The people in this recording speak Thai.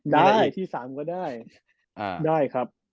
ได้ที่๓ก็ได้